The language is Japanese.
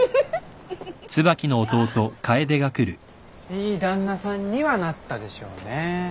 いい旦那さんにはなったでしょうね。